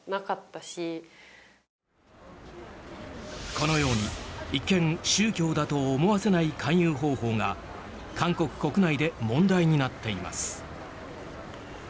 このように、一見宗教だと思わせない勧誘方法が韓国国内で問題になっています。